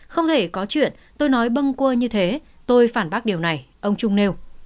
không thể có chuyện tôi nói bâng cua như thế tôi phản bác điều này ông trung nêu